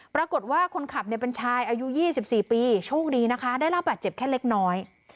ปรากฏว่าคนขับเป็นชายอายุ๒๔ปีโชคดีนะคะได้รับบาดเจ็บแค่เล็กน้อย